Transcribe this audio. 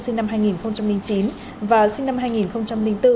sinh năm hai nghìn chín và sinh năm hai nghìn bốn